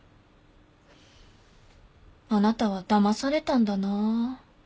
あなたはだまされたんだな。